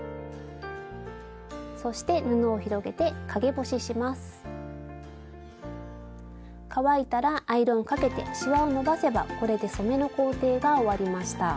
そして乾いたらアイロンをかけてしわを伸ばせばこれで染めの工程が終わりました。